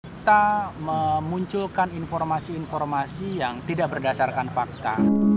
kita memunculkan informasi informasi yang tidak berdasarkan fakta